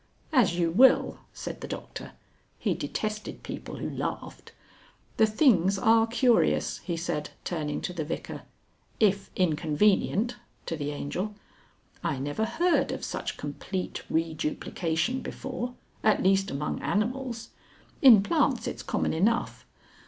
"As you will," said the Doctor. He detested people who laughed. "The things are curious," he said, turning to the Vicar. "If inconvenient" to the Angel. "I never heard of such complete reduplication before at least among animals. In plants it's common enough.